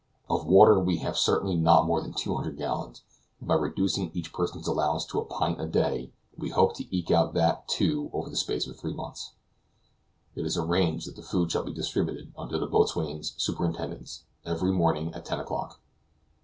Of water we have certainly not more than 200 gallons, but by reducing each person's allowance to a pint a day, we hope to eke out that, too, over the space of three months. It is arranged that the food shall be distributed under the boatswain's superintendence every morning at ten o'clock.